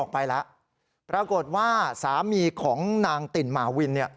ปรากฏว่าสามีของนางติ่นหมาวิน